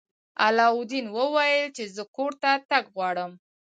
علاوالدین وویل چې زه کور ته تګ غواړم.